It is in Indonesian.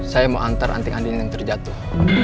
saya mau antar anting andin yang terjatuh